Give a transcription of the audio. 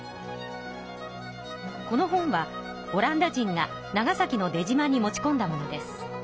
この本はオランダ人が長崎の出島に持ちこんだものです。